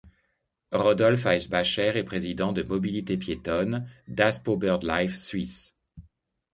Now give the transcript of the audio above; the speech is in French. Rudolf Aeschbacher est président de Mobilité piétonne, d'Aspo Birddlife Suisse!